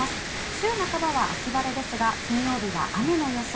週半ばは秋晴れですが金曜日は雨の予想。